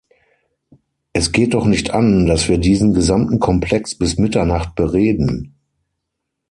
Es geht doch nicht an, dass wir diesen gesamten Komplex bis Mitternacht bereden!